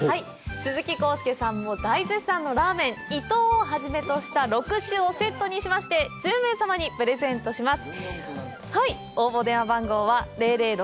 鈴木浩介さんも大絶賛のラーメン伊藤を初めとした６種をセットにして１０名様にプレゼントします。